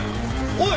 おい！